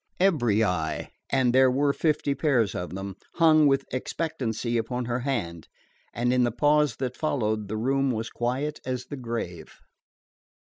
Every eye, and there were fifty pairs of them, hung with expectancy upon her hand, and in the pause that followed the room was quiet as the grave.